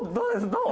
どう？